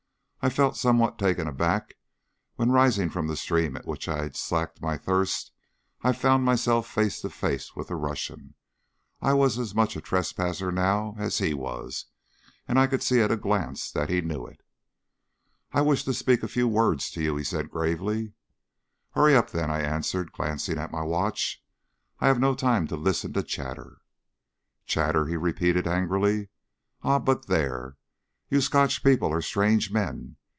I felt somewhat taken aback when rising from the stream at which I had slaked my thirst I found myself face to face with the Russian. I was as much a trespasser now as he was, and I could see at a glance that he knew it. "I wish to speak a few words to you," he said gravely. "Hurry up, then!" I answered, glancing at my watch. "I have no time to listen to chatter." "Chatter!" he repeated angrily. "Ah, but there. You Scotch people are strange men.